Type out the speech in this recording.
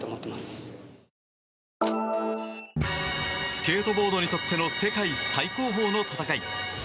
スケートボードにとっての世界最高峰の戦い